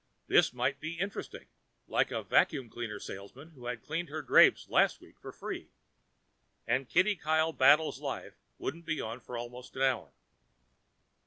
This might be interesting, like a vacuum cleaner salesman who had cleaned her drapes last week for free. And Kitty Kyle Battles Life wouldn't be on for almost an hour.